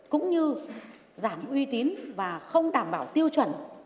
cũng như giảm uy tín và không đảm bảo tiêu chuẩn